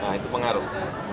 nah itu pengaruh